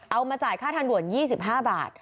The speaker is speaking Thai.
เอามาจ่ายค่าทางด่วน๒๕บาท